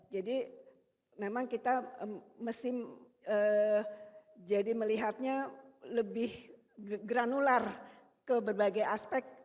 jadi memang kita mesti jadi melihatnya lebih granular ke berbagai aspek